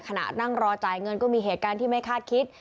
ขณะนั่งรอจ่ายเงินก็มีเหตุการณ์ที่ไม่คาดคิด